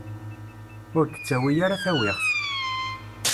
Ur d-ttawi ara tawiɣt.